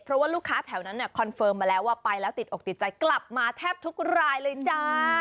เพราะว่าลูกค้าแถวนั้นเนี่ยคอนเฟิร์มมาแล้วว่าไปแล้วติดอกติดใจกลับมาแทบทุกรายเลยจ้า